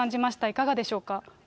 いかがでしょうか。